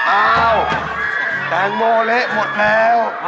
อ้าวแตงโมเละหมดแล้ว